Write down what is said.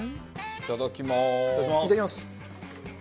いただきます。